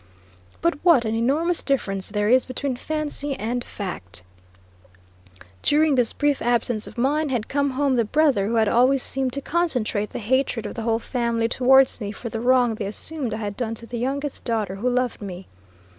But what an enormous difference there is between fancy and fact. During this brief absence of mine, had come home the brother who had always seemed to concentrate the hatred of the whole family towards me for the wrong they assumed I had done to the youngest daughter who loved me.